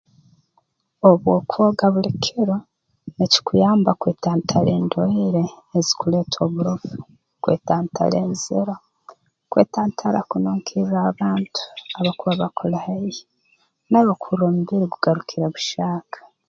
Obu okwoga buli kiro nikikuyamba kwetantara endwaire ezikuletwa oburofu kwetantara enziro kwetantara kununkirra abantu abakuba bakuli haihi naiwe kuhurra omubiri gugarukire buhyaka